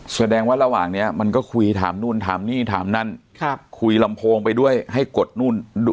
แสดงว่าระหว่างนี้มันก็คุยถามนู่นถามนี่ถามนั่นคุยลำโพงไปด้วยให้กดนู่น